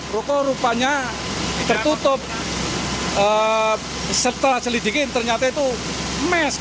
ruko rupanya tertutup setelah selidiki ternyata itu mes